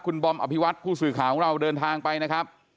คุณบอมอภิวัตผู้สื่อข่าวของเราเดินทางไปนะครับ